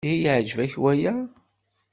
Ihi yeɛjeb-ak waya?